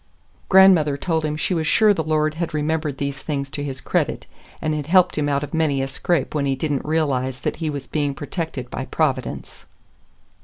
Grandmother told him she was sure the Lord had remembered these things to his credit, and had helped him out of many a scrape when he did n't realize that he was being protected by Providence.